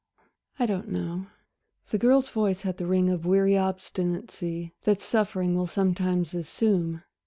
"I don't know." The girl's voice had the ring of weary obstinacy that suffering will sometimes assume.